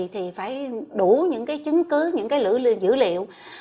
thì phải đủ những cái chứng cứ những cái dữ liệu